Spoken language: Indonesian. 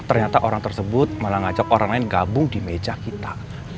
ternyata orang tersebut malah ngajak orang lain gabung di meja kita